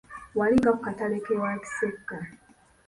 Wali nga ku katale k'ewa Kisekka.